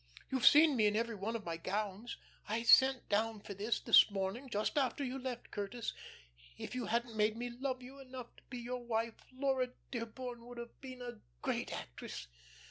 You've seen me in every one of my gowns. I sent down for this, this morning, just after you left. Curtis, if you hadn't made me love you enough to be your wife, Laura Dearborn would have been a great actress.